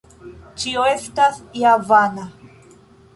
Ĉio estas ja vana.